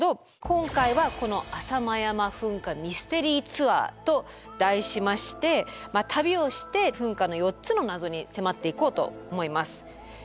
今回はこの「浅間山噴火ミステリーツアー」と題しまして旅をして噴火の４つの謎に迫っていこうと思います。